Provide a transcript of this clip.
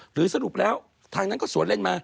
หรือสรุปแล้วทางนั้นก็สวนเล่นมา